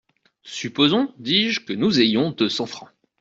Supposons, dis-je, que nous ayons deux cents francs…